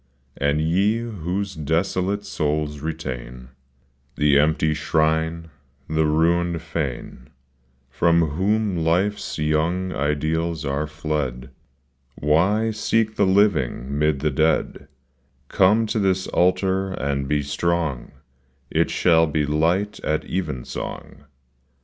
And ye whose desolate souls retain The empty shrine, the ruined fane, From whom life's young ideals are fled, Why seek the living 'mid the dead ; Come to this altar and be strong, It shall be light at even song.